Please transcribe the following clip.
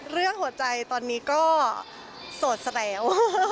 เรื่องหัวใจตอนนี้ก็โสดซะแล้ว